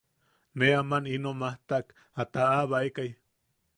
Ne aman ino majtak a taʼabaekai.